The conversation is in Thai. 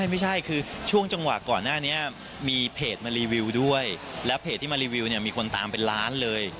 ไม่ใช่คือช่วงจังหวะก่อนหน้านี้มีเพจมารีวิวด้วยแล้วเพจที่มารีวิวเนี่ยมีคนตามเป็นล้านเลย